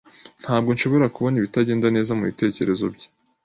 Ntabwo nshobora kubona ibitagenda neza mubitekerezo bye